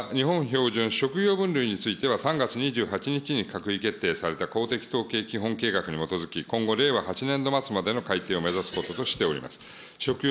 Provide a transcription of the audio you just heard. また、日本標準職業分類については、３月２８日に閣議決定された公的統計基本計画に基づき、今後令和８年度末までの改定を目指すこととしております。